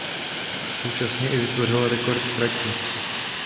Současně i vytvořil rekord trati.